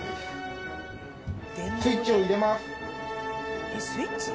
スイッチを入れます。